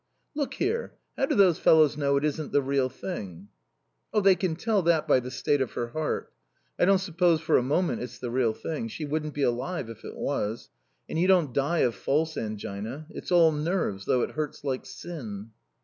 "Look here; how do those fellows know it isn't the real thing?" "Oh, they can tell that by the state of her heart. I don't suppose for a moment it's the real thing. She wouldn't be alive if it was. And you don't die of false angina. It's all nerves, though it hurts like sin."